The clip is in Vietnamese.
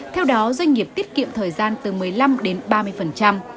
theo đó doanh nghiệp tiết kiệm thời gian từ một mươi năm đến hai mươi năm